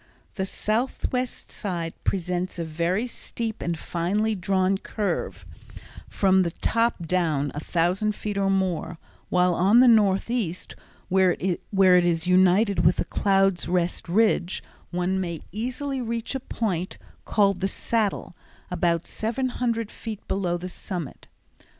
The southwest side presents a very steep and finely drawn curve from the top down a thousand feet or more, while on the northeast, where it is united with the Clouds' Rest Ridge, one may easily reach a point called the Saddle, about seven hundred feet below the summit.